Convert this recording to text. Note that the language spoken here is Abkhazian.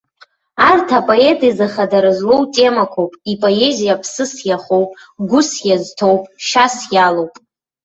Арҭ апоет изы хадара злоу темақәоуп, ипоезиа ԥсыс иахоуп, гәыс иазҭоуп, шьас иалоуп.